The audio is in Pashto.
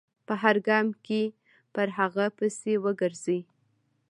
په هر ګام کې پر هغه پسې و ګرځي.